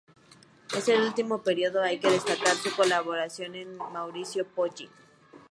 En su último periodo hay que destacar su colaboración con Maurizio Pollini.